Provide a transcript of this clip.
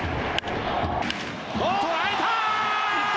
捉えた！